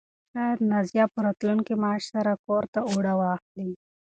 شاید نازیه په راتلونکي معاش سره کور ته اوړه واخلي.